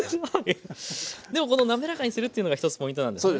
でもこの滑らかにするというのが１つポイントなんですね。